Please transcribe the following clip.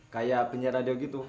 kayak penyiar radio gitu